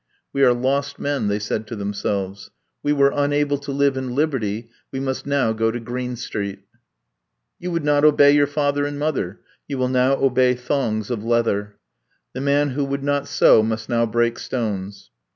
"We are lost men," they said to themselves. "We were unable to live in liberty; we must now go to Green Street." "You would not obey your father and mother; you will now obey thongs of leather." "The man who would not sow must now break stones."